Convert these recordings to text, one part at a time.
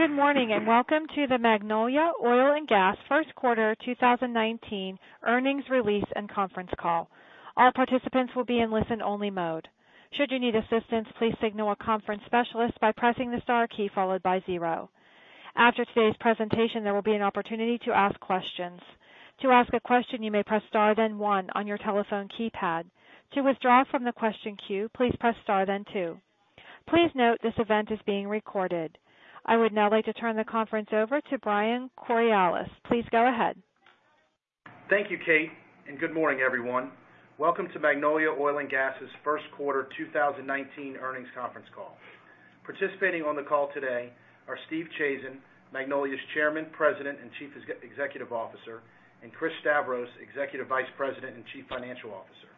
Good morning, and welcome to the Magnolia Oil & Gas first quarter 2019 earnings release and conference call. All participants will be in listen-only mode. Should you need assistance, please signal a conference specialist by pressing the star key followed by zero. After today's presentation, there will be an opportunity to ask questions. To ask a question, you may press star, then one on your telephone keypad. To withdraw from the question queue, please press star, then two. Please note, this event is being recorded. I would now like to turn the conference over to Brian Corales. Please go ahead. Thank you, Kate. Good morning, everyone. Welcome to Magnolia Oil & Gas's first quarter 2019 earnings conference call. Participating on the call today are Steve Chazen, Magnolia's Chairman, President, and Chief Executive Officer, and Chris Stavros, Executive Vice President and Chief Financial Officer.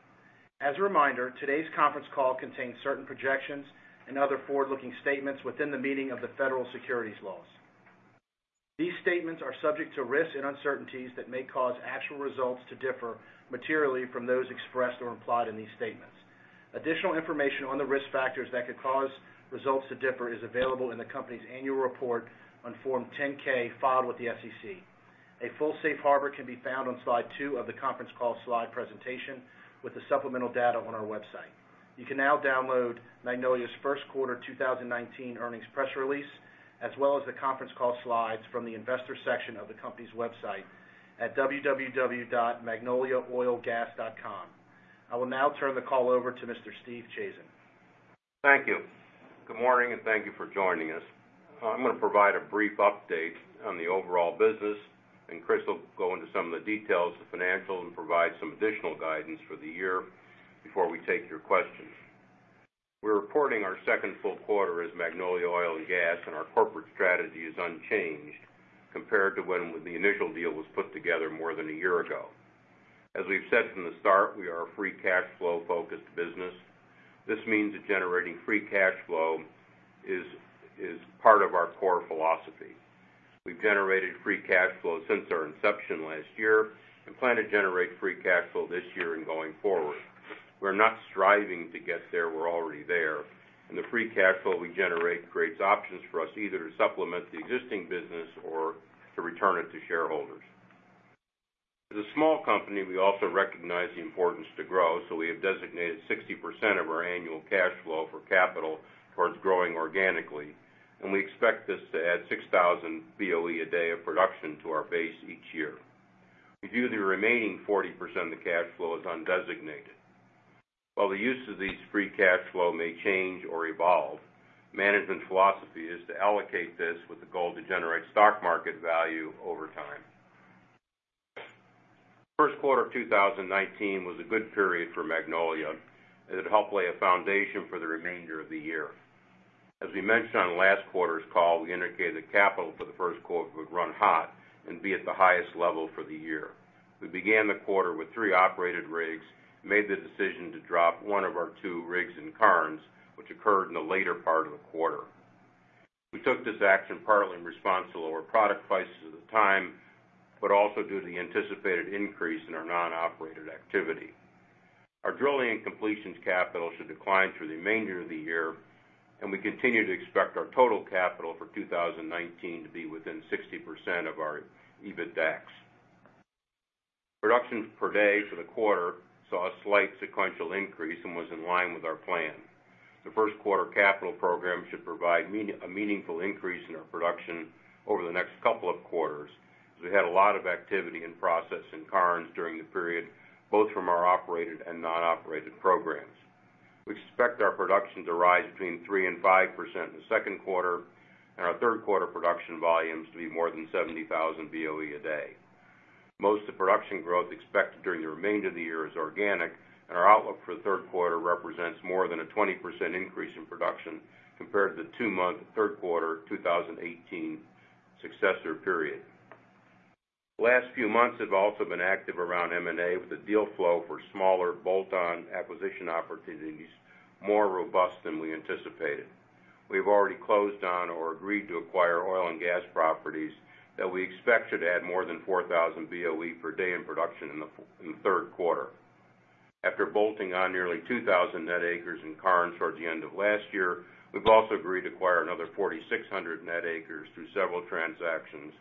As a reminder, today's conference call contains certain projections and other forward-looking statements within the meaning of the federal securities laws. These statements are subject to risks and uncertainties that may cause actual results to differ materially from those expressed or implied in these statements. Additional information on the risk factors that could cause results to differ is available in the company's annual report on Form 10-K filed with the SEC. A full safe harbor can be found on slide two of the conference call slide presentation with the supplemental data on our website. You can now download Magnolia's first quarter 2019 earnings press release, as well as the conference call slides from the Investors section of the company's website at www.magnoliaoilgas.com. I will now turn the call over to Mr. Steve Chazen. Thank you. Good morning, and thank you for joining us. I'm going to provide a brief update on the overall business, and Chris will go into some of the details of the financial and provide some additional guidance for the year before we take your questions. We're reporting our second full quarter as Magnolia Oil & Gas, and our corporate strategy is unchanged compared to when the initial deal was put together more than a year ago. As we've said from the start, we are a free cash flow-focused business. This means that generating free cash flow is part of our core philosophy. We've generated free cash flow since our inception last year and plan to generate free cash flow this year and going forward. We're not striving to get there. We're already there, and the free cash flow we generate creates options for us either to supplement the existing business or to return it to shareholders. As a small company, we also recognize the importance to grow, so we have designated 60% of our annual cash flow for capital towards growing organically, and we expect this to add 6,000 BOE a day of production to our base each year. We view the remaining 40% of the cash flow as undesignated. While the use of this free cash flow may change or evolve, management's philosophy is to allocate this with the goal to generate stock market value over time. First quarter of 2019 was a good period for Magnolia, and it helped lay a foundation for the remainder of the year. As we mentioned on last quarter's call, we indicated the capital for the first quarter would run hot and be at the highest level for the year. We began the quarter with three operated rigs, made the decision to drop one of our two rigs in Karnes, which occurred in the later part of the quarter. We took this action partly in response to lower product prices at the time, but also due to the anticipated increase in our non-operated activity. Our drilling and completions capital should decline through the remainder of the year, and we continue to expect our total capital for 2019 to be within 60% of our EBITDAX. Productions per day for the quarter saw a slight sequential increase and was in line with our plan. The first quarter capital program should provide a meaningful increase in our production over the next couple of quarters, as we had a lot of activity in process in Karnes during the period, both from our operated and non-operated programs. We expect our production to rise between 3% and 5% in the second quarter, and our third quarter production volumes to be more than 70,000 BOE a day. Most of the production growth expected during the remainder of the year is organic, and our outlook for the third quarter represents more than a 20% increase in production compared to the two-month third quarter 2018 successor period. The last few months have also been active around M&A, with the deal flow for smaller bolt-on acquisition opportunities more robust than we anticipated. We've already closed on or agreed to acquire oil and gas properties that we expect should add more than 4,000 BOE per day in production in the third quarter. After bolting on nearly 2,000 net acres in Karnes towards the end of last year, we've also agreed to acquire another 4,600 net acres through several transactions,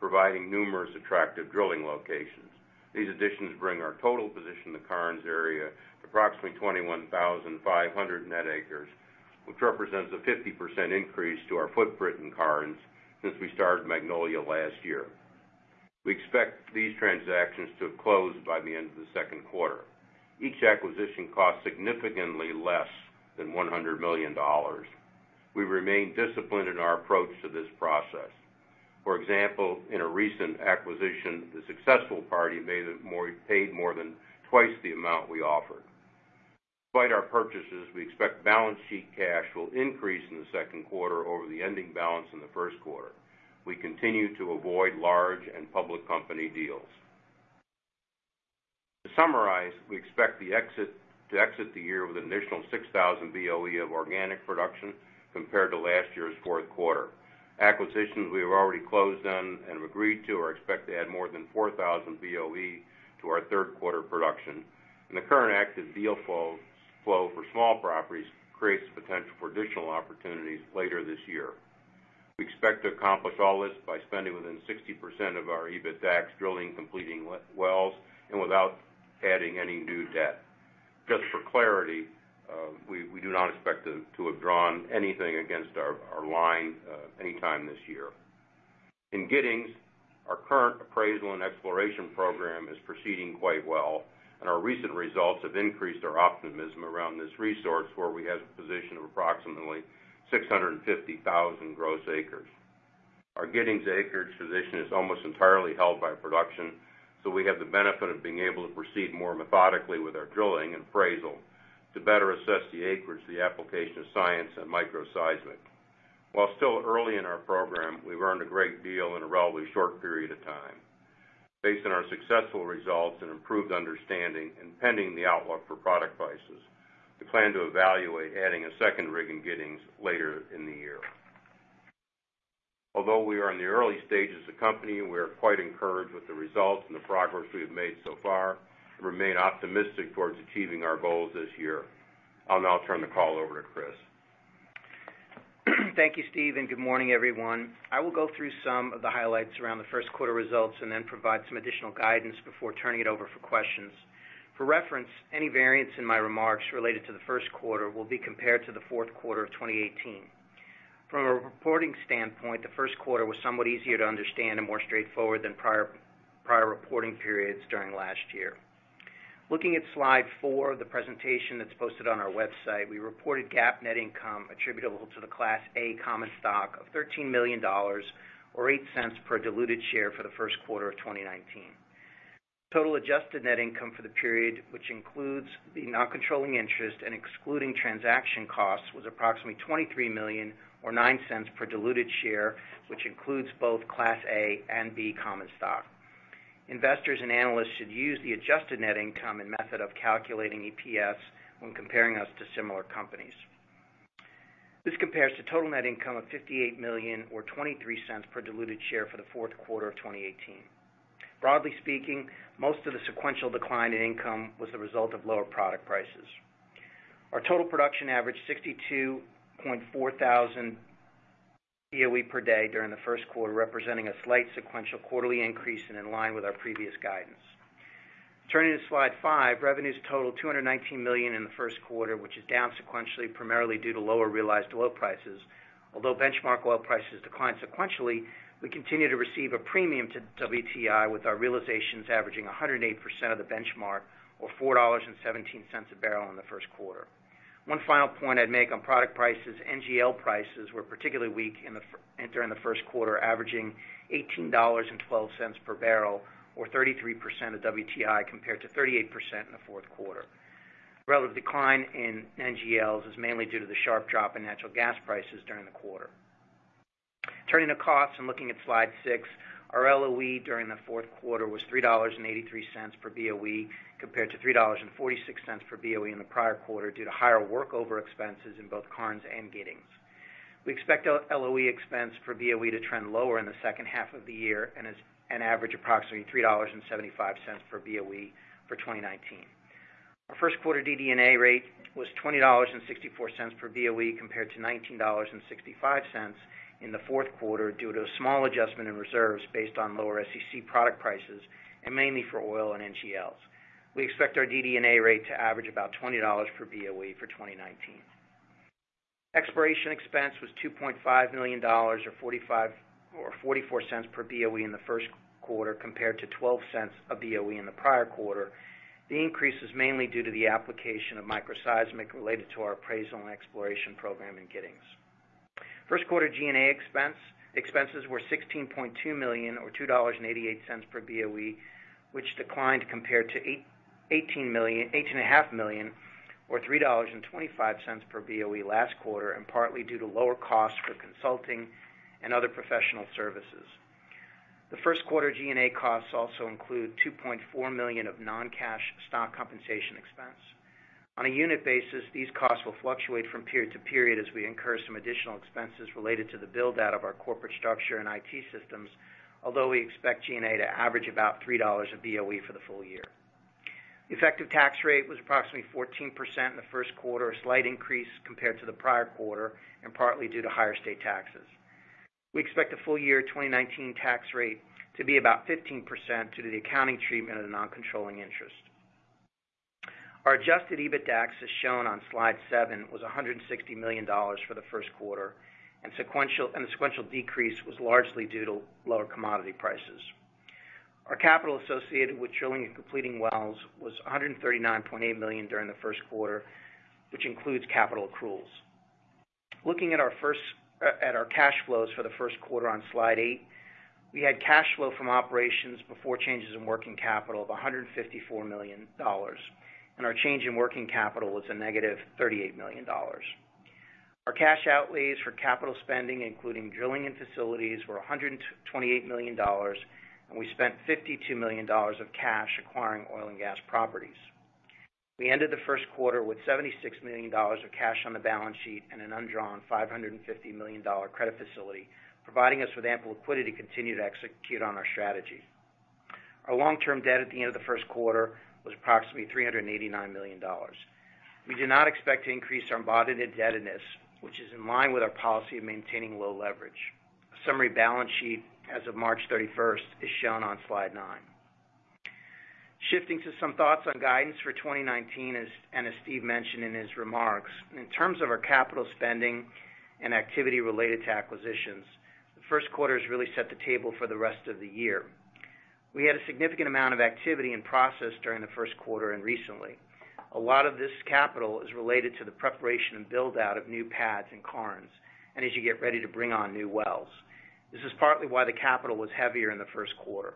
providing numerous attractive drilling locations. These additions bring our total position in the Karnes area to approximately 21,500 net acres, which represents a 50% increase to our footprint in Karnes since we started Magnolia last year. We expect these transactions to have closed by the end of the second quarter. Each acquisition cost significantly less than $100 million. We remain disciplined in our approach to this process. For example, in a recent acquisition, the successful party paid more than twice the amount we offered. Despite our purchases, we expect balance sheet cash will increase in the second quarter over the ending balance in the first quarter. We continue to avoid large and public company deals. To summarize, we expect to exit the year with an additional 6,000 BOE of organic production compared to last year's fourth quarter. Acquisitions we have already closed on and have agreed to are expected to add more than 4,000 BOE to our third quarter production. The current active deal flow for small properties creates for additional opportunities later this year. We expect to accomplish all this by spending within 60% of our EBITDAX drilling, completing wells and without adding any new debt. Just for clarity, we do not expect to have drawn anything against our line anytime this year. In Giddings, our current appraisal and exploration program is proceeding quite well, and our recent results have increased our optimism around this resource where we have a position of approximately 650,000 gross acres. Our Giddings acreage position is almost entirely held by production, we have the benefit of being able to proceed more methodically with our drilling and appraisal to better assess the acreage, the application of science and microseismic. While still early in our program, we've learned a great deal in a relatively short period of time. Based on our successful results and improved understanding and pending the outlook for product prices, we plan to evaluate adding a second rig in Giddings later in the year. Although we are in the early stages of the company, we are quite encouraged with the results and the progress we have made so far and remain optimistic towards achieving our goals this year. I'll now turn the call over to Chris. Thank you, Steve. Good morning, everyone. I will go through some of the highlights around the first quarter results then provide some additional guidance before turning it over for questions. For reference, any variance in my remarks related to the first quarter will be compared to the fourth quarter of 2018. From a reporting standpoint, the first quarter was somewhat easier to understand and more straightforward than prior reporting periods during last year. Looking at slide four of the presentation that's posted on our website, we reported GAAP net income attributable to the Class A common stock of $13 million or $0.08 per diluted share for the first quarter of 2019. Total adjusted net income for the period, which includes the non-controlling interest and excluding transaction costs, was approximately $23 million or $0.09 per diluted share, which includes both Class A and B common stock. Investors and analysts should use the adjusted net income and method of calculating EPS when comparing us to similar companies. This compares to total net income of $58 million or $0.23 per diluted share for the fourth quarter of 2018. Broadly speaking, most of the sequential decline in income was the result of lower product prices. Our total production averaged 62.4 thousand BOE per day during the first quarter, representing a slight sequential quarterly increase and in line with our previous guidance. Turning to slide five, revenues totaled $219 million in the first quarter, which is down sequentially, primarily due to lower realized oil prices. Although benchmark oil prices declined sequentially, we continue to receive a premium to WTI with our realizations averaging 108% of the benchmark or $4.17 a barrel in the first quarter. One final point I'd make on product prices, NGL prices were particularly weak during the first quarter, averaging $18.12 per barrel or 33% of WTI compared to 38% in the fourth quarter. Relative decline in NGLs is mainly due to the sharp drop in natural gas prices during the quarter. Turning to costs and looking at slide six, our LOE during the fourth quarter was $3.83 per BOE, compared to $3.46 per BOE in the prior quarter due to higher workover expenses in both Karnes and Giddings. We expect LOE expense per BOE to trend lower in the second half of the year and average approximately $3.75 per BOE for 2019. Our first quarter DD&A rate was $20.64 per BOE, compared to $19.65 in the fourth quarter, due to a small adjustment in reserves based on lower SEC product prices and mainly for oil and NGLs. We expect our DD&A rate to average about $20 per BOE for 2019. Exploration expense was $2.5 million or $0.44 per BOE in the first quarter, compared to $0.12 a BOE in the prior quarter. The increase is mainly due to the application of microseismic related to our appraisal and exploration program in Giddings. First quarter G&A expenses were $16.2 million or $2.88 per BOE, which declined compared to $18.5 million or $3.25 per BOE last quarter, and partly due to lower costs for consulting and other professional services. The first quarter G&A costs also include $2.4 million of non-cash stock compensation expense. On a unit basis, these costs will fluctuate from period to period as we incur some additional expenses related to the build-out of our corporate structure and IT systems, although we expect G&A to average about $3 a BOE for the full year. The effective tax rate was approximately 14% in the first quarter, a slight increase compared to the prior quarter and partly due to higher state taxes. We expect the full year 2019 tax rate to be about 15% due to the accounting treatment of the non-controlling interest. Our adjusted EBITDAX, as shown on slide seven, was $160 million for the first quarter, and the sequential decrease was largely due to lower commodity prices. Our capital associated with drilling and completing wells was $139.8 million during the first quarter, which includes capital accruals. Looking at our cash flows for the first quarter on slide eight, we had cash flow from operations before changes in working capital of $154 million, and our change in working capital was a negative $38 million. Our cash outlays for capital spending, including drilling and facilities, were $128 million, and we spent $52 million of cash acquiring oil and gas properties. We ended the first quarter with $76 million of cash on the balance sheet and an undrawn $550 million credit facility, providing us with ample liquidity to continue to execute on our strategy. Our long-term debt at the end of the first quarter was approximately $389 million. We do not expect to increase our embodied indebtedness, which is in line with our policy of maintaining low leverage. A summary balance sheet as of March 31st is shown on slide nine. Shifting to some thoughts on guidance for 2019, and as Steve mentioned in his remarks, in terms of our capital spending and activity related to acquisitions, the first quarter has really set the table for the rest of the year. We had a significant amount of activity in process during the first quarter and recently. A lot of this capital is related to the preparation and build-out of new pads in Karnes, and as you get ready to bring on new wells. This is partly why the capital was heavier in the first quarter.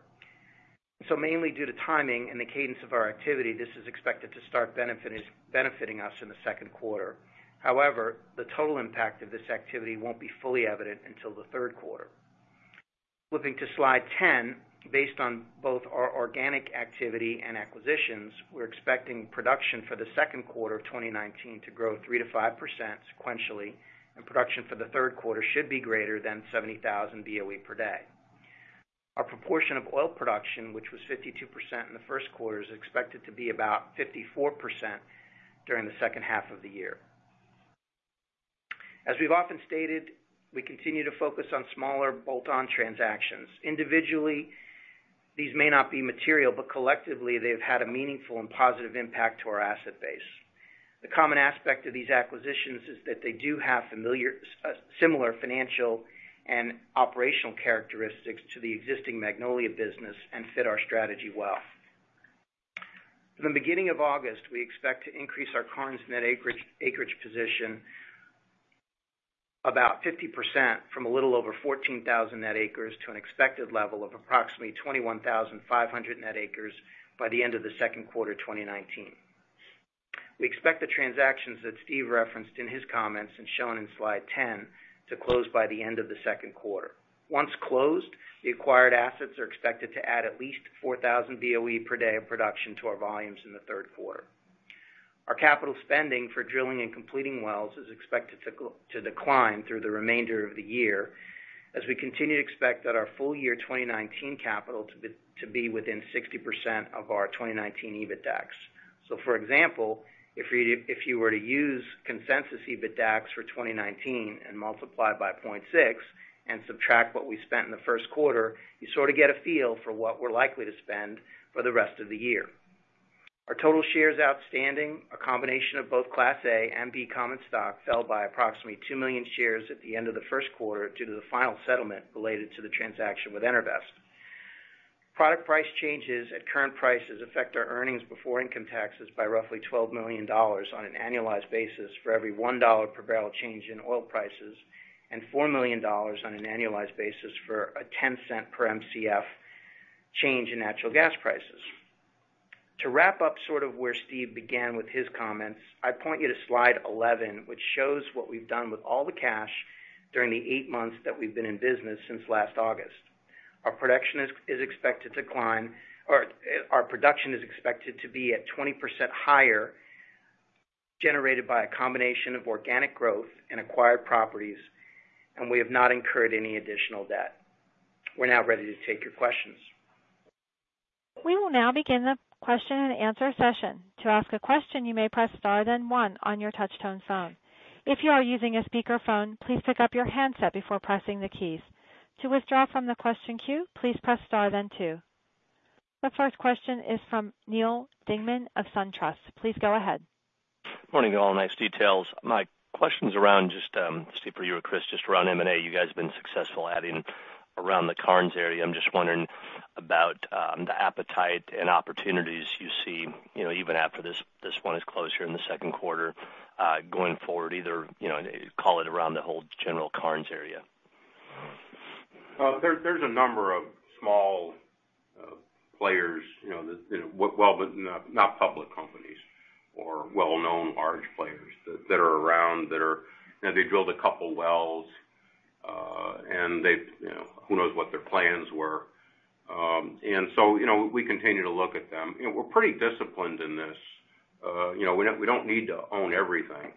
Mainly due to timing and the cadence of our activity, this is expected to start benefiting us in the second quarter. However, the total impact of this activity won't be fully evident until the third quarter. Flipping to slide 10, based on both our organic activity and acquisitions, we're expecting production for the second quarter of 2019 to grow 3%-5% sequentially, and production for the third quarter should be greater than 70,000 BOE per day. Our proportion of oil production, which was 52% in the first quarter, is expected to be about 54% during the second half of the year. As we've often stated, we continue to focus on smaller bolt-on transactions. Individually, these may not be material, but collectively, they've had a meaningful and positive impact to our asset base. The common aspect of these acquisitions is that they do have similar financial and operational characteristics to the existing Magnolia business and fit our strategy well. From the beginning of August, we expect to increase our Karnes net acreage position about 50%, from a little over 14,000 net acres to an expected level of approximately 21,500 net acres by the end of the second quarter 2019. We expect the transactions that Steve referenced in his comments, and shown in slide 10, to close by the end of the second quarter. Once closed, the acquired assets are expected to add at least 4,000 BOE per day of production to our volumes in the third quarter. Our capital spending for drilling and completing wells is expected to decline through the remainder of the year, as we continue to expect that our full year 2019 capital to be within 60% of our 2019 EBITDAX. For example, if you were to use consensus EBITDAX for 2019 and multiply by 0.6 and subtract what we spent in the first quarter, you sort of get a feel for what we're likely to spend for the rest of the year. Our total shares outstanding, a combination of both Class A and B common stock, fell by approximately two million shares at the end of the first quarter due to the final settlement related to the transaction with EnerVest. Product price changes at current prices affect our earnings before income taxes by roughly $12 million on an annualized basis for every $1 per barrel change in oil prices, and $4 million on an annualized basis for a $0.10 per Mcf change in natural gas prices. To wrap up sort of where Steve began with his comments, I point you to slide 11, which shows what we've done with all the cash during the eight months that we've been in business since last August. Our production is expected to be at 20% higher, generated by a combination of organic growth and acquired properties, and we have not incurred any additional debt. We're now ready to take your questions. We will now begin the question and answer session. To ask a question, you may press star then one on your touch-tone phone. If you are using a speakerphone, please pick up your handset before pressing the keys. To withdraw from the question queue, please press star then two. The first question is from Neal Dingmann of SunTrust. Please go ahead. Morning, all. Nice details. My question is around just, Steve, for you or Chris, just around M&A. You guys have been successful adding around the Karnes area. I'm just wondering about the appetite and opportunities you see even after this one is closed here in the second quarter, going forward, either call it around the whole general Karnes area. There's a number of small players that not public companies or well-known large players that are around. They drilled a couple wells, and who knows what their plans were. We continue to look at them. We're pretty disciplined in this. We don't need to own everything.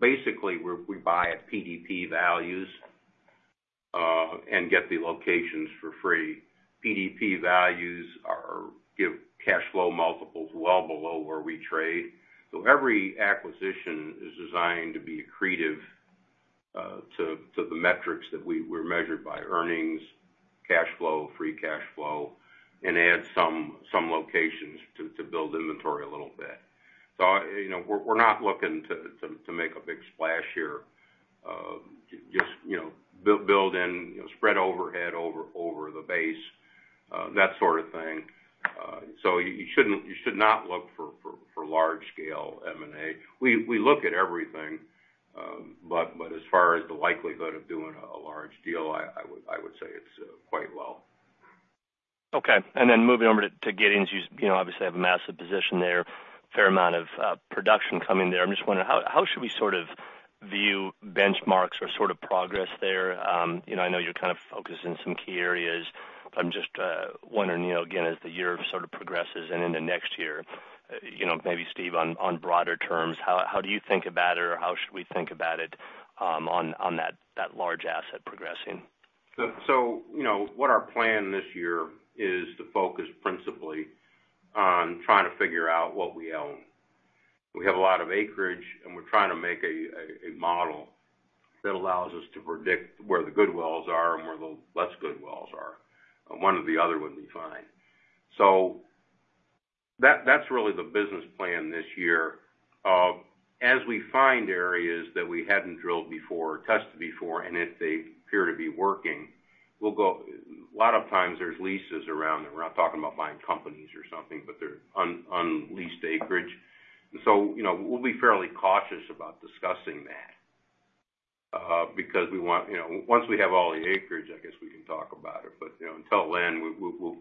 Basically, we buy at PDP values, and get the locations for free. PDP values give cash flow multiples well below where we trade. Every acquisition is designed to be accretive to the metrics that we're measured by, earnings, cash flow, free cash flow, and add some locations to build inventory a little bit. We're not looking to make a big splash here. Just build and spread overhead over the base, that sort of thing. You should not look for large scale M&A. We look at everything. As far as the likelihood of doing a large deal, I would say it's quite low. Okay. Moving over to Giddings, you obviously have a massive position there, fair amount of production coming there. I'm just wondering, how should we view benchmarks or progress there? I know you're kind of focused in some key areas, but I'm just wondering, again, as the year progresses and into next year, maybe Steve, on broader terms, how do you think about it, or how should we think about it on that large asset progressing? What our plan this year is to focus principally On trying to figure out what we own. We have a lot of acreage, We're trying to make a model that allows us to predict where the good wells are and where the less good wells are. One or the other we find. That's really the business plan this year. As we find areas that we hadn't drilled before or tested before, and if they appear to be working, we'll go A lot of times there's leases around them. We're not talking about buying companies or something, They're on unleased acreage. We'll be fairly cautious about discussing that. Because once we have all the acreage, I guess we can talk about it. Until then,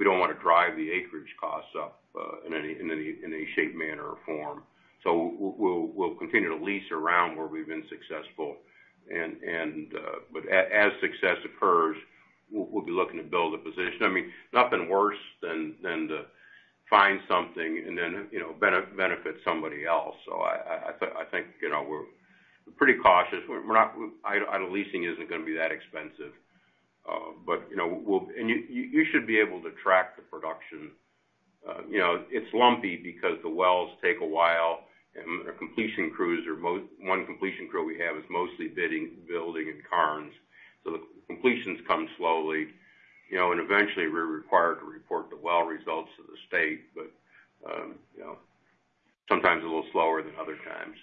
we don't want to drive the acreage costs up in any shape, manner, or form. We'll continue to lease around where we've been successful. As success occurs, we'll be looking to build a position. Nothing worse than to find something and then benefit somebody else. I think we're pretty cautious. Leasing isn't going to be that expensive. You should be able to track the production. It's lumpy because the wells take a while, and one completion crew we have is mostly building in Karnes. The completions come slowly. Eventually, we're required to report the well results to the state, but sometimes a little slower than other times.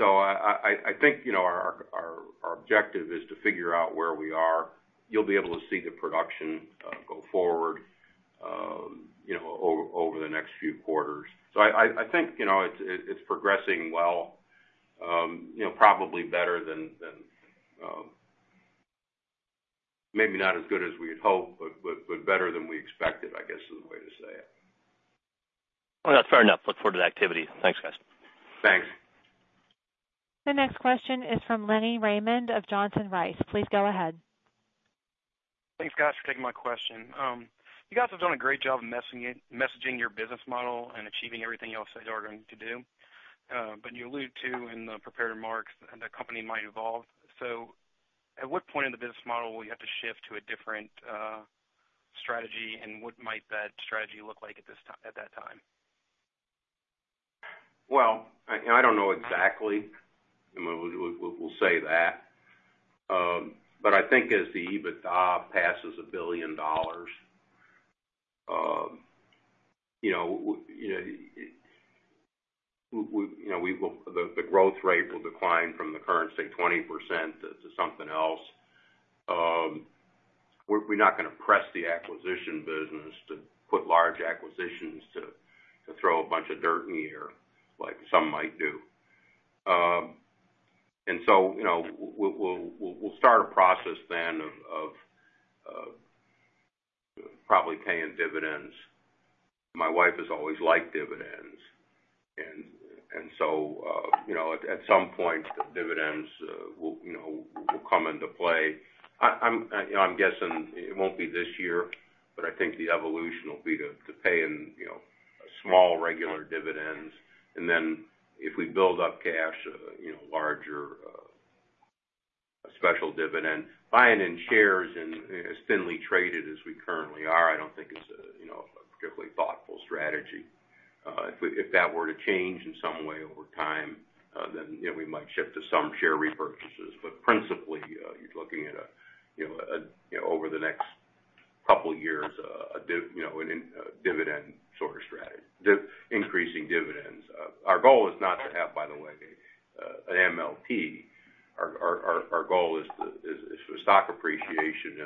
I think our objective is to figure out where we are. You'll be able to see the production go forward over the next few quarters. I think it's progressing well. Probably better than Maybe not as good as we had hoped, but better than we expected, I guess, is the way to say it. Well, that's fair enough. Look forward to the activity. Thanks, guys. Thanks. The next question is from Lenny Raymond of Johnson Rice. Please go ahead. Thanks, guys, for taking my question. You guys have done a great job messaging your business model and achieving everything you all said you are going to do. You allude to, in the prepared remarks, the company might evolve. At what point in the business model will you have to shift to a different strategy, and what might that strategy look like at that time? Well, I don't know exactly. We'll say that. I think as the EBITDA passes $1 billion, the growth rate will decline from the current, say, 20% to something else. We're not going to press the acquisition business to put large acquisitions to throw a bunch of dirt in the air, like some might do. We'll start a process then of probably paying dividends. My wife has always liked dividends. At some point, the dividends will come into play. I'm guessing it won't be this year, but I think the evolution will be to paying small, regular dividends. If we build up cash, a larger special dividend. Buying in shares as thinly traded as we currently are, I don't think is a particularly thoughtful strategy. If that were to change in some way over time, we might shift to some share repurchases. Principally, you're looking at over the next couple of years, a dividend sort of strategy. Increasing dividends. Our goal is not to have, by the way, an MLP. Our goal is stock appreciation,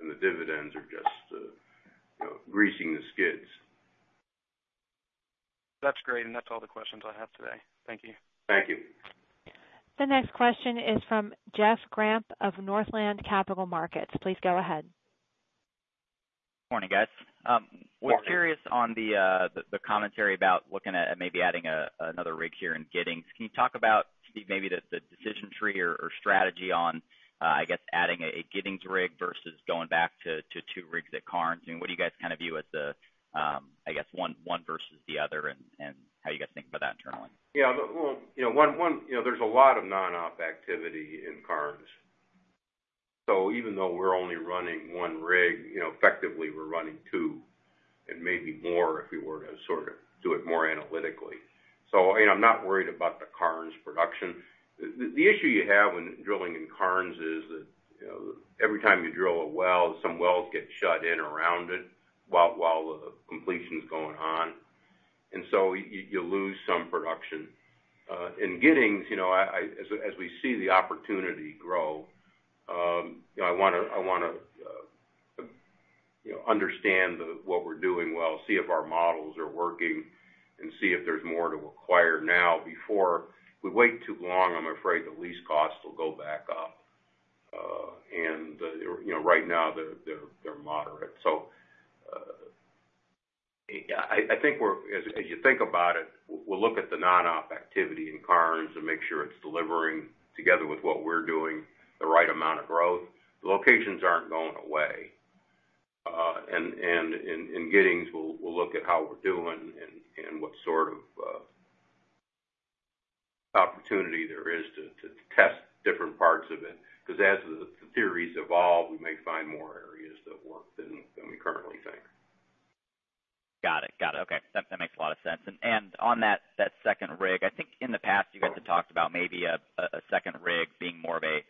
and the dividends are just greasing the skids. That's great. That's all the questions I have today. Thank you. Thank you. The next question is from Jeff Grampp of Northland Capital Markets. Please go ahead. Morning, guys. Morning. We're curious on the commentary about looking at maybe adding another rig here in Giddings. Can you talk about maybe the decision tree or strategy on, I guess, adding a Giddings rig versus going back to two rigs at Karnes? What do you guys view as the one versus the other and how you guys think about that internally? Yeah. There's a lot of non-op activity in Karnes. Even though we're only running one rig, effectively we're running two and maybe more if we were to do it more analytically. I'm not worried about the Karnes production. The issue you have when drilling in Karnes is that every time you drill a well, some wells get shut in around it while the completion's going on, and so you lose some production. In Giddings, as we see the opportunity grow, I want to understand what we're doing well, see if our models are working, and see if there's more to acquire now. Before we wait too long, I'm afraid the lease costs will go back up. Right now, they're moderate. I think as you think about it, we'll look at the non-op activity in Karnes and make sure it's delivering together with what we're doing, the right amount of growth. The locations aren't going away. In Giddings, we'll look at how we're doing opportunity there is to test different parts of it. As the theories evolve, we may find more areas that work than we currently think. Got it. Okay. That makes a lot of sense. On that second rig, I think in the past you guys have talked about maybe a second rig being more of a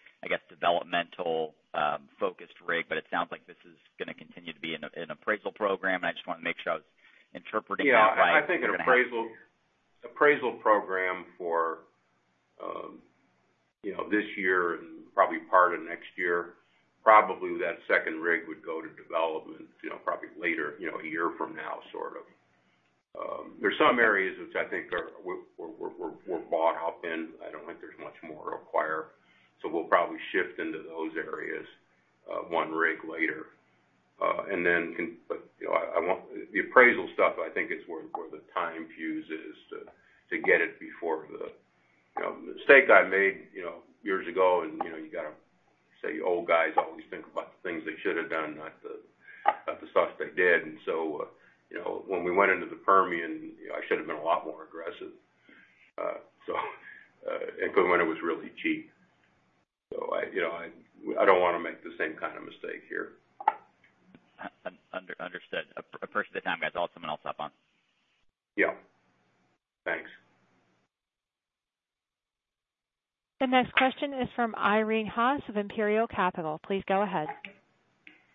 developmental focused rig, it sounds like this is going to continue to be an appraisal program, I just wanted to make sure I was interpreting that right. Yeah. I think an appraisal program for this year and probably part of next year, probably that second rig would go to development probably later, a year from now. There's some areas which I think we're bought up in. I don't think there's much more to acquire. We'll probably shift into those areas one rig later. The appraisal stuff, I think, is where the time fuse is to get it. The mistake I made years ago, you've got to say, old guys always think about the things they should have done, not the stuff they did. When we went into the Permian, I should have been a lot more aggressive, and when it was really cheap. I don't want to make the same kind of mistake here. Understood. Appreciate the time, guys. I'll send it off to someone else up on. Yeah. Thanks. The next question is from Irene Haas of Imperial Capital. Please go ahead.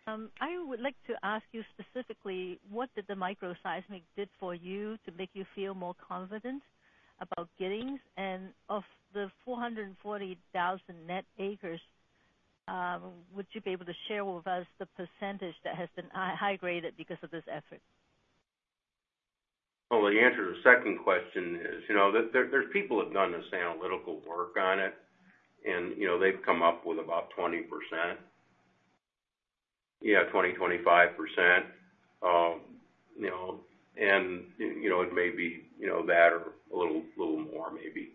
I would like to ask you specifically, what did the microseismic did for you to make you feel more confident about Giddings? Of the 440,000 net acres, would you be able to share with us the percentage that has been high graded because of this effort? Well, the answer to the second question is, there's people that have done this analytical work on it, they've come up with about 20%. Yeah, 20%-25%. It may be that or a little more maybe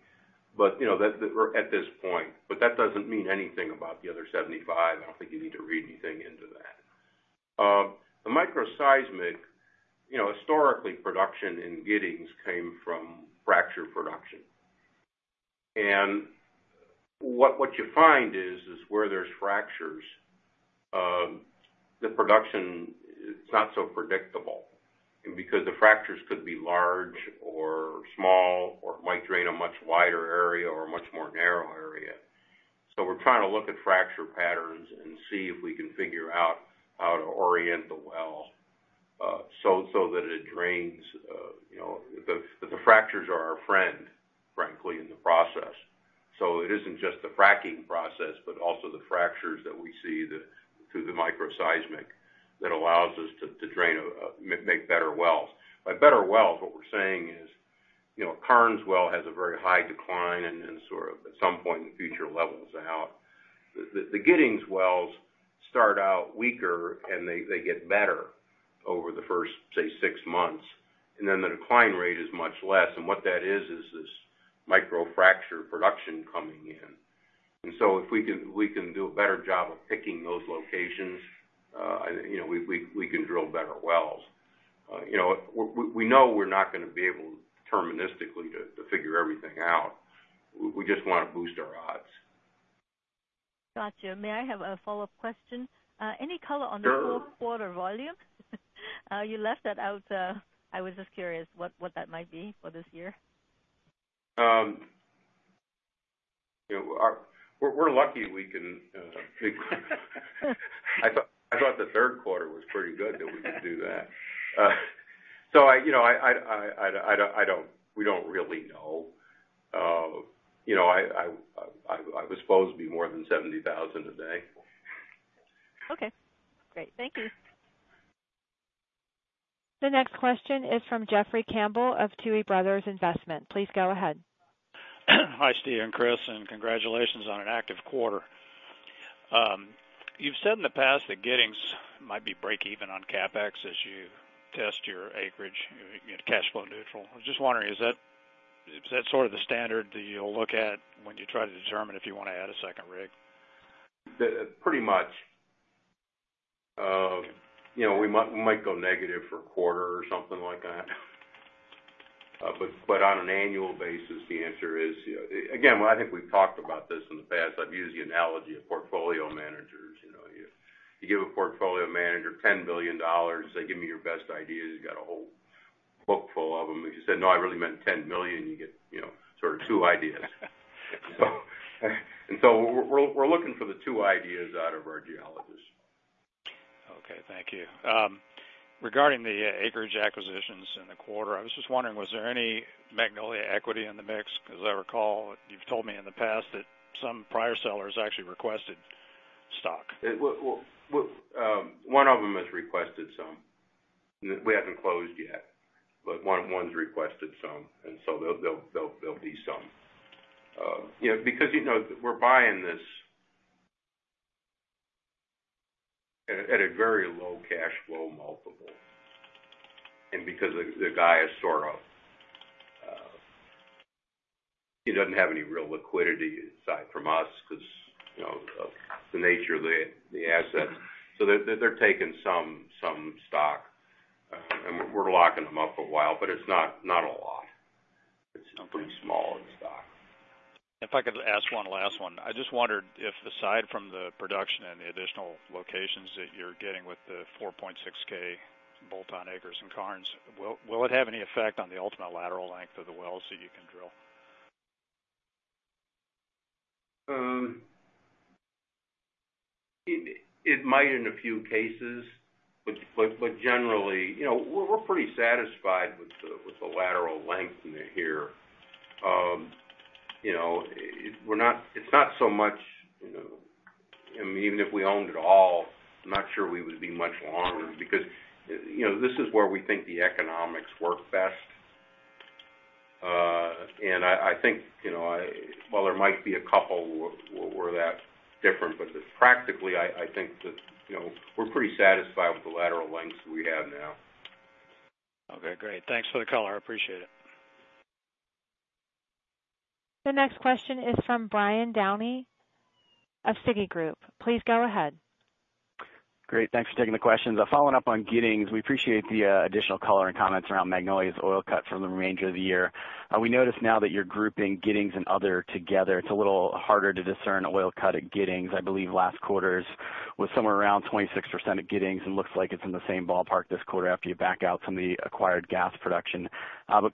at this point. That doesn't mean anything about the other 75. I don't think you need to read anything into that. The microseismic, historically, production in Giddings came from fracture production. What you find is where there's fractures, the production is not so predictable because the fractures could be large or small, or it might drain a much wider area or a much more narrow area. We're trying to look at fracture patterns and see if we can figure out how to orient the well so that it drains. The fractures are our friend, frankly, in the process. It isn't just the fracking process, but also the fractures that we see through the microseismic that allows us to make better wells. By better wells, what we're saying is, Karnes Well has a very high decline and then at some point in the future levels out. The Giddings wells start out weaker and they get better over the first, say, six months. Then the decline rate is much less. What that is this micro fracture production coming in. If we can do a better job of picking those locations, we can drill better wells. We know we're not going to be able deterministically to figure everything out. We just want to boost our odds. Got you. May I have a follow-up question? Sure. Any color on the fourth quarter volume? You left that out. I was just curious what that might be for this year. We're lucky we can I thought the third quarter was pretty good that we could do that. We don't really know. I was supposed to be more than 70,000 a day. Okay, great. Thank you. The next question is from Jeffrey Campbell of Tuohy Brothers Investment. Please go ahead. Hi, Steve and Chris, congratulations on an active quarter. You've said in the past that Giddings might be break even on CapEx as you test your acreage, get cash flow neutral. I was just wondering, is that the standard that you'll look at when you try to determine if you want to add a second rig? Pretty much. We might go negative for a quarter or something like that. On an annual basis, the answer is Again, I think we've talked about this in the past. I've used the analogy of portfolio managers. You give a portfolio manager $10 billion, say, "Give me your best ideas." You got a whole book full of them. If you said, "No, I really meant $10 million," you get two ideas. We're looking for the two ideas out of our geologists. Okay. Thank you. Regarding the acreage acquisitions in the quarter, I was just wondering, was there any Magnolia equity in the mix? I recall you've told me in the past that some prior sellers actually requested stock. One of them has requested some. We haven't closed yet, but one's requested some, and so there'll be some. We're buying this at a very low cash flow multiple. He doesn't have any real liquidity aside from us because of the nature of the asset. They're taking some stock. We're locking them up for a while, but it's not a lot. Okay. It's pretty small in stock. If I could ask one last one. I just wondered if, aside from the production and the additional locations that you're getting with the 4.6K bolt-on acres in Karnes, will it have any effect on the ultimate lateral length of the wells that you can drill? It might in a few cases. Generally, we're pretty satisfied with the lateral length in here. It's not so much Even if we owned it all, I'm not sure we would be much longer because this is where we think the economics work best. I think, while there might be a couple where that's different, practically, I think that we're pretty satisfied with the lateral lengths we have now. Okay, great. Thanks for the color. I appreciate it. The next question is from Brian Downey of Citigroup. Please go ahead. Great. Thanks for taking the questions. Following up on Giddings, we appreciate the additional color and comments around Magnolia's oil cut for the remainder of the year. We noticed now that you're grouping Giddings and other together, it's a little harder to discern oil cut at Giddings. I believe last quarter's was somewhere around 26% at Giddings, and looks like it's in the same ballpark this quarter after you back out some of the acquired gas production.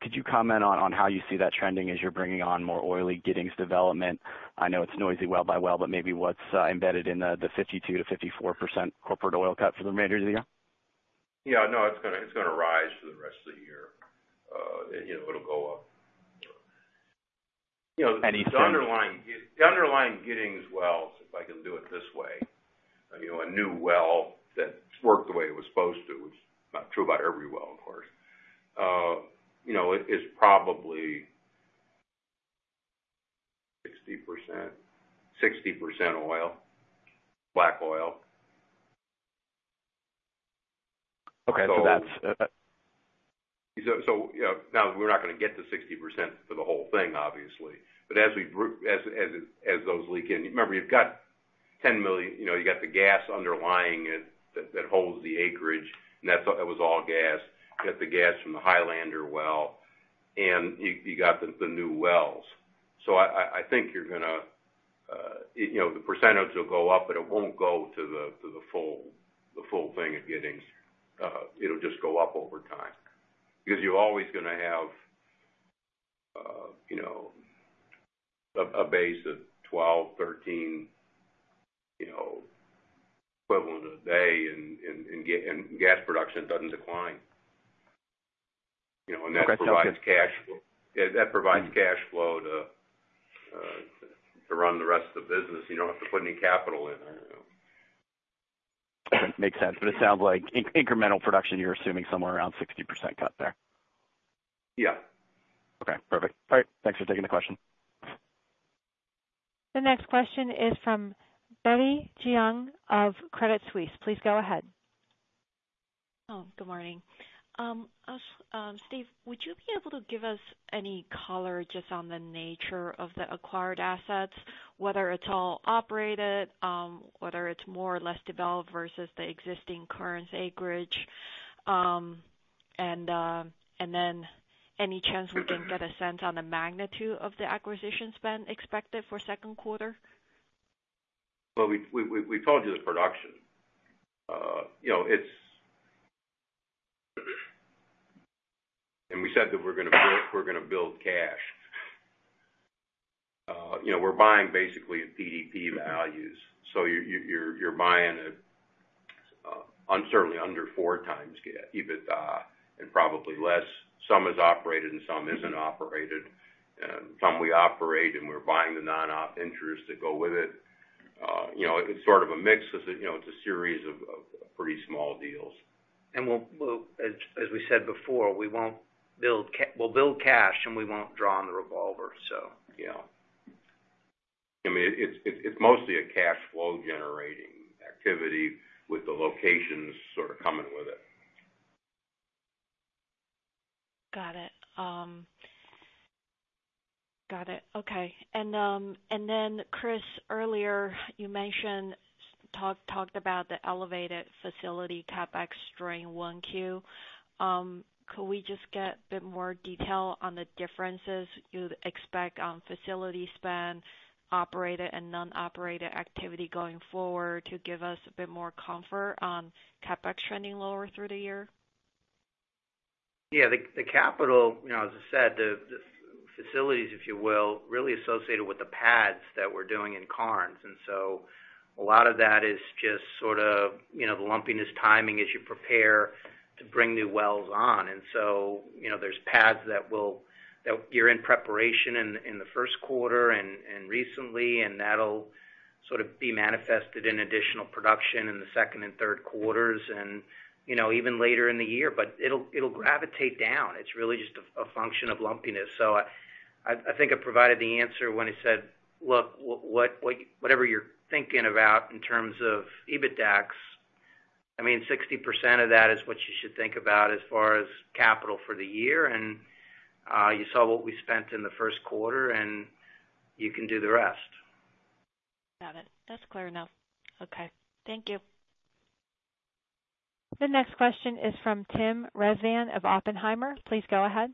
Could you comment on how you see that trending as you're bringing on more oily Giddings development? I know it's noisy well by well, but maybe what's embedded in the 52%-54% corporate oil cut for the remainder of the year? Yeah. It's going to rise for the rest of the year. It'll go up. You think- The underlying Giddings wells, if I can do it this way, a new well that's worked the way it was supposed to, which is not true about every well, of course. It's probably 60% oil, black oil. Okay. That's- Now we're not going to get to 60% for the whole thing, obviously. As those leak in. Remember, you've got 10 million. You've got the gas underlying it that holds the acreage, and that was all gas. You've got the gas from the Highlander well, and you've got the new wells. I think the percentage will go up, but it won't go to the full thing at Giddings. It'll just go up over time. You're always going to have a base of 12, 13 equivalent a day, and gas production doesn't decline. Okay. That provides cash flow to run the rest of the business. You don't have to put any capital in there. Makes sense. It sounds like incremental production, you're assuming somewhere around 60% cut there. Yeah. Okay, perfect. All right. Thanks for taking the question. The next question is from Betty Jiang of Credit Suisse. Please go ahead. Oh, good morning. Steve, would you be able to give us any color just on the nature of the acquired assets, whether it's all operated, whether it's more or less developed versus the existing Karnes acreage? Then any chance we can get a sense on the magnitude of the acquisition spend expected for second quarter? Well, we told you it's production. We said that we're going to build cash. We're buying basically at PDP values. You're buying at certainly under four times EBITDA, probably less. Some is operated and some isn't operated. Some we operate, and we're buying the non-op interest to go with it. It's sort of a mix. It's a series of pretty small deals. As we said before, we'll build cash, and we won't draw on the revolver. Yeah. It's mostly a cash flow generating activity with the locations sort of coming with it. Got it. Okay. Chris, earlier you mentioned, talked about the elevated facility CapEx during one Q. Could we just get a bit more detail on the differences you'd expect on facility spend, operated and non-operated activity going forward to give us a bit more comfort on CapEx trending lower through the year? Yeah. The capital, as I said, the facilities, if you will, really associated with the pads that we're doing in Karnes. A lot of that is just sort of the lumpiness timing as you prepare to bring new wells on. There's pads that you're in preparation in the first quarter and recently, and that'll sort of be manifested in additional production in the second and third quarters, and even later in the year. It'll gravitate down. It's really just a function of lumpiness. I think I provided the answer when I said, look, whatever you're thinking about in terms of EBITDAX, 60% of that is what you should think about as far as capital for the year. You saw what we spent in the first quarter, and you can do the rest. Got it. That's clear enough. Okay. Thank you. The next question is from Tim Rezvan of Oppenheimer. Please go ahead.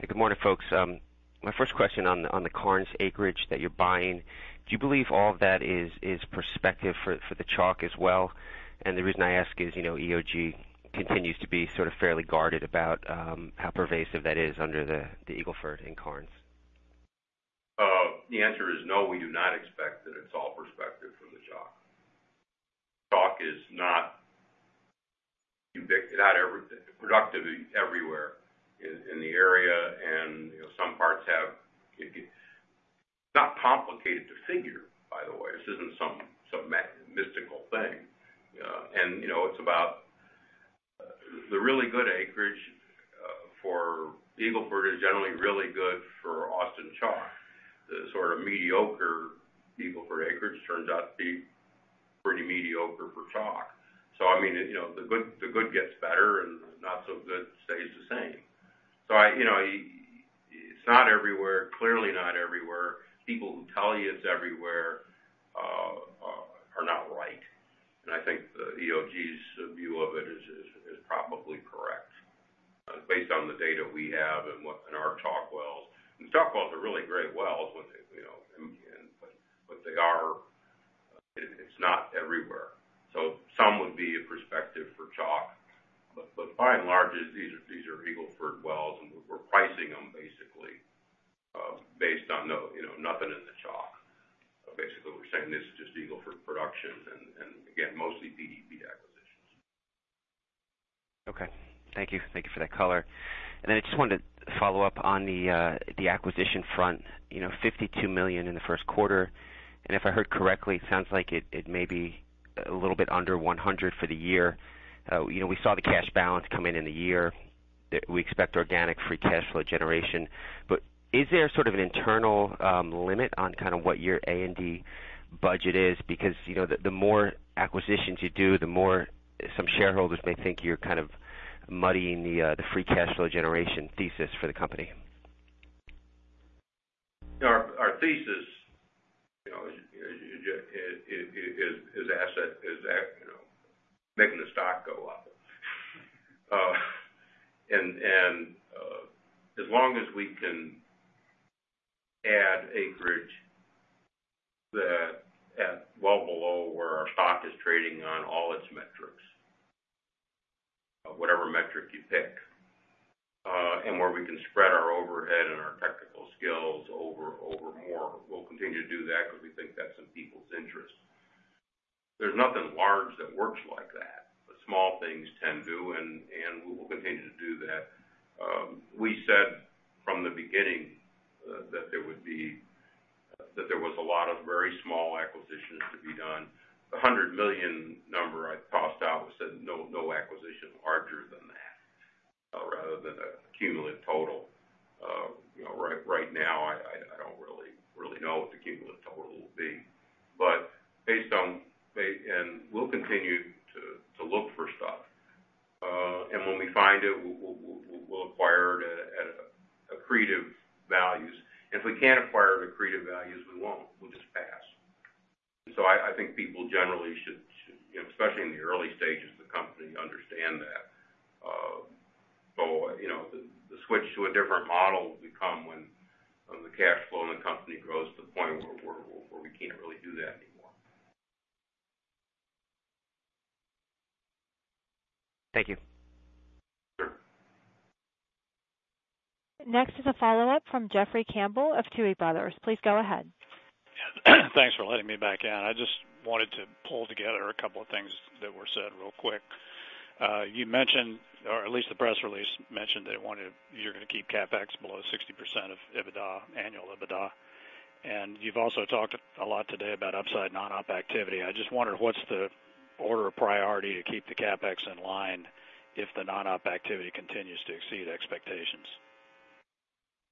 Good morning, folks. My first question on the Karnes acreage that you're buying, do you believe all of that is prospective for the Chalk as well? The reason I ask is, EOG continues to be fairly guarded about how pervasive that is under the Eagle Ford and Karnes. The answer is no, we do not expect that it's all prospective from the Chalk. Chalk is not productive everywhere in the area. It's not complicated to figure, by the way. This isn't some mystical thing. It's about the really good acreage for Eagle Ford is generally really good for Austin Chalk. The sort of mediocre Eagle Ford acreage turns out to be pretty mediocre for Chalk. The good gets better, and not so good stays the same. It's not everywhere, clearly not everywhere. People who tell you it's everywhere are not right, and I think the EOG's view of it is probably correct. Based on the data we have and our Chalk wells, and Chalk wells are really great wells, but It's not everywhere. Some would be prospective for Chalk. By and large, these are Eagle Ford wells, and we're pricing them basically based on nothing in the Chalk. Basically, we're saying this is just Eagle Ford production, and again, mostly PDP acquisitions. Okay. Thank you. Thank you for that color. I just wanted to follow up on the acquisition front. $52 million in the first quarter, and if I heard correctly, it sounds like it may be a little bit under 100 for the year. We saw the cash balance come in in the year. We expect organic free cash flow generation. Is there an internal limit on what your A&D budget is? Because the more acquisitions you do, the more some shareholders may think you're muddying the free cash flow generation thesis for the company. Our thesis is making the stock go up. As long as we can add acreage at well below where our stock is trading on all its metrics, whatever metric you pick, and where we can spread our overhead and our technical skills over more, we'll continue to do that because we think that's in people's interest. Small things tend to, and we will continue to do that. We said from the beginning that there was a lot of very small acquisitions to be done. The $100 million number I tossed out was saying no acquisition larger than that, rather than a cumulative total. Right now, I don't really know what the cumulative total will be. We'll continue to look for stuff. When we find it, we'll acquire it at accretive values. If we can't acquire accretive values, we won't. We'll just pass. I think people generally should, especially in the early stages of the company, understand that. The switch to a different model will come when the cash flow in the company grows to the point where we can't really do that anymore. Thank you. Sure. Next is a follow-up from Jeffrey Campbell of Tuohy Brothers. Please go ahead. Thanks for letting me back in. I just wanted to pull together a couple of things that were said real quick. You mentioned, or at least the press release mentioned, that you're going to keep CapEx below 60% of annual EBITDA. You've also talked a lot today about upside non-op activity. I just wondered what's the order of priority to keep the CapEx in line if the non-op activity continues to exceed expectations?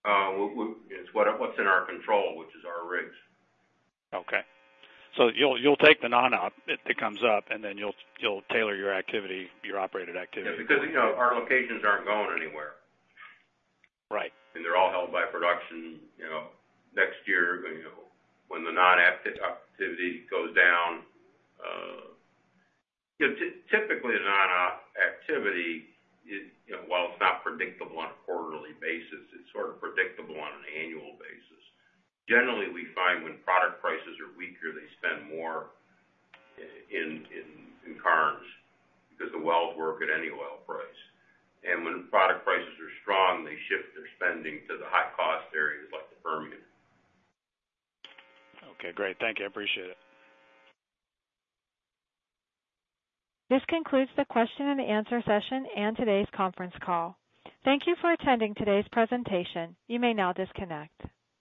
It's what's in our control, which is our rigs. Okay. You'll take the non-op if it comes up, and then you'll tailor your operated activity. Yeah, because our locations aren't going anywhere. Right. They're all held by production. Next year, when the non-op activity goes down. Typically, the non-op activity, while it's not predictable on a quarterly basis, it's predictable on an annual basis. Generally, we find when product prices are weaker, they spend more in Karnes because the wells work at any oil price. When product prices are strong, they shift their spending to the high-cost areas like the Permian. Okay, great. Thank you. I appreciate it. This concludes the question-and-answer session and today's conference call. Thank you for attending today's presentation. You may now disconnect.